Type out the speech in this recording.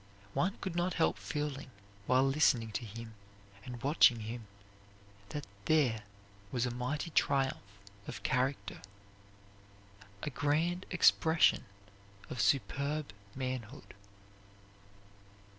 One could not help feeling while listening to him and watching him that there was a mighty triumph of character, a grand expression of superb manhood.